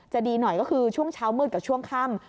ดีหน่อยก็คือช่วงเช้ามืดกับช่วงค่ำ